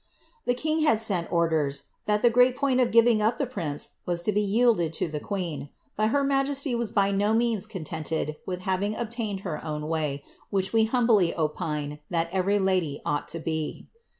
The king had sent orders, that the great point of giving up the prince was lo be yielded to the queen ; but her majesij was liy no means cod leiiiL'd with having obiaiaed her own way, which we humbly opiiw ihtl every lady ought to be.